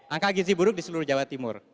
angka gizi buruk di seluruh jawa timur